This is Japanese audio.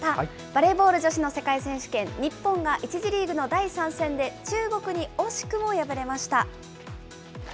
バレーボール女子の世界選手権、日本が１次リーグの第３戦で、中国に惜しくも敗れました。